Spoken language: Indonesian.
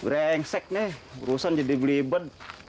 rengsek nih urusan jadi beliban